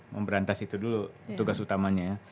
memberantas itu dulu tugas utamanya ya